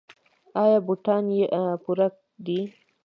ایا بوټان یې پوره دي؟